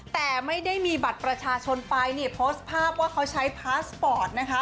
แต่ไม่ได้มีบัตรประชาชนไปนี่โพสต์ภาพว่าเขาใช้พาสปอร์ตนะคะ